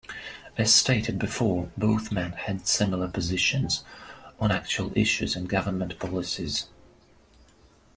As stated before, both men had similar positions on actual issues and government policies.